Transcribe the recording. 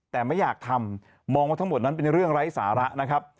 แต่ไม่อยากทำมองว่าทั้งหมดนั้นเป็นเรื่องไร้สาระนะครับ